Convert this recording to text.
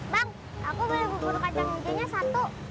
bang aku beli bubur kacang hijaunya satu